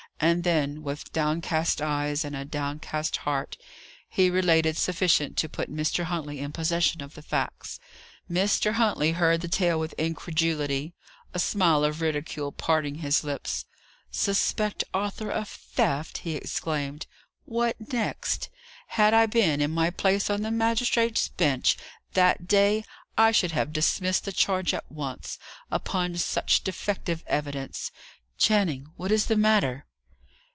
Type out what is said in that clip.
And then, with downcast eyes, and a downcast heart, he related sufficient to put Mr. Huntley in possession of the facts. Mr. Huntley heard the tale with incredulity, a smile of ridicule parting his lips. "Suspect Arthur of theft!" he exclaimed. "What next? Had I been in my place on the magistrates' bench that day, I should have dismissed the charge at once, upon such defective evidence. Channing, what is the matter?"